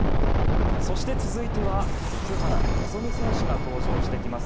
そして続いては奥原希望選手が登場してきます。